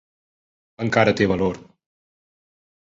Encara té valor.